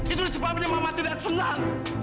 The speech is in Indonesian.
itu sebabnya mama tidak senang